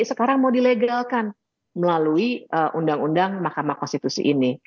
sekarang mau dilegalkan melalui undang undang mahkamah konstitusi ini